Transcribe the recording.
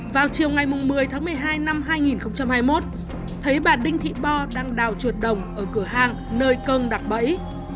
vào chiều ngày một mươi tháng một mươi hai năm hai nghìn hai mươi một thấy bà đinh thị bo đang đào chuột đồng ở cửa hàng nơi công đặc bẫy